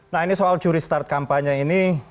nah ini soal curi start kampanye ini